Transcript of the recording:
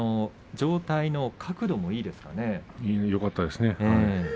上体の角度もよかったです。